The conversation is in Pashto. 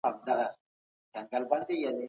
موږ له ډېر وخت راهيسي د بشري حقوقو ملاتړ کوو.